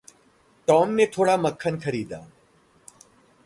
Tom ने थोड़ा मक्खन ख़रीदा।